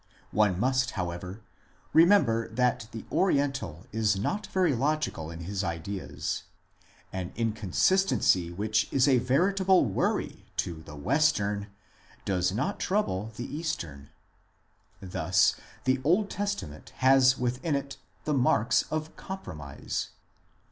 One must, however, remember that the oriental is not very logical in his ideas ; an inconsistency which is a veritable worry to the Western does not trouble the Eastern. Thus, the Old Testament has within it the marks of compromise.